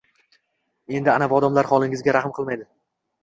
Endi anavi odamlar holingizga rahm qilmaydi.